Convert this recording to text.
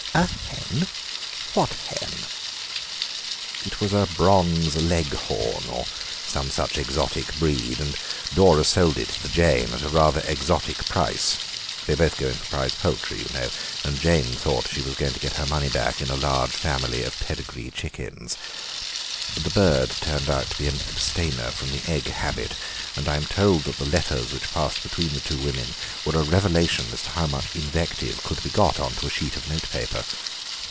"A hen? What hen?" "It was a bronze Leghorn or some such exotic breed, and Dora sold it to Jane at a rather exotic price. They both go in for prize poultry, you know, and Jane thought she was going to get her money back in a large family of pedigree chickens. The bird turned out to be an abstainer from the egg habit, and I'm told that the letters which passed between the two women were a revelation as to how much invective could be got on to a sheet of notepaper."